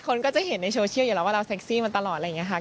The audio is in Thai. คนก็จะเห็นในโซเชียลอยู่แล้วว่าเราเซ็กซี่มาตลอดอะไรอย่างนี้ค่ะ